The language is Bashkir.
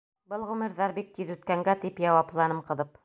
Был ғүмерҙәр бик тиҙ үткәнгә. — тип яуапланым ҡыҙып.